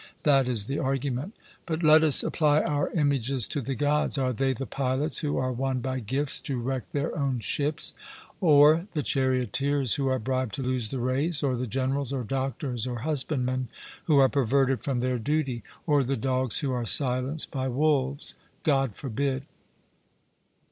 'That is the argument.' But let us apply our images to the Gods are they the pilots who are won by gifts to wreck their own ships or the charioteers who are bribed to lose the race or the generals, or doctors, or husbandmen, who are perverted from their duty or the dogs who are silenced by wolves? 'God forbid.'